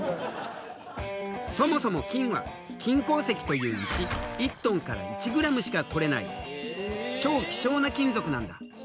そもそも金は金鉱石という石１ｔから１ｇしか取れない超希少な金属なんだ。